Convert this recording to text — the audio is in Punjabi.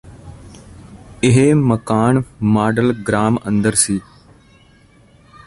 ਇਹ ਮਕਾਨ ਮਾਡਲ ਗਰਾਮ ਅੰਦਰ ਸੀ